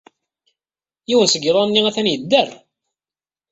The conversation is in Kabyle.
Yiwen seg yiḍan-nni atan yedder.